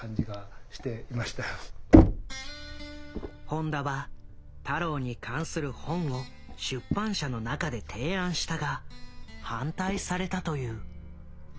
本田は太郎に関する本を出版社の中で提案したが反対されたという。